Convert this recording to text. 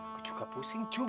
aku juga pusing jum